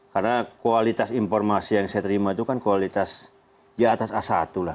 karena kualitas informasi yang saya terima itu kan kualitas di atas a satu lah